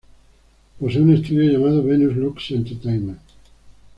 Posee un estudio llamado Venus Lux Entertainment.